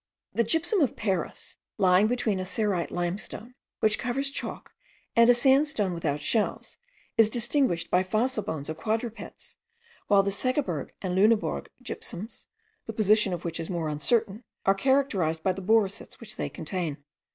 The gypsum of Paris, lying between a cerite limestone, which covers chalk and a sandstone without shells, is distinguished by fossil bones of quadrupeds, while the Segeberg and Lunebourg gypsums, the position of which is more uncertain, are characterized by the boracits which they contain.